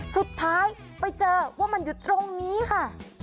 สุดท้ายไปเจอว่ามันอยู่ตรงนี้ค่ะ